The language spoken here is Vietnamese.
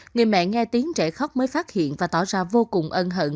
người mẹ nghe tiếng trẻ khóc mới phát hiện và tỏ ra vô cùng ân hận